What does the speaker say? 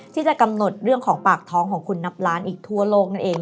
ที่จะกำหนดเรื่องของปากท้องของคุณนับล้านอีกทั่วโลกนั่นเอง